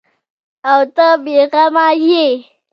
او ته بې غمه یې ؟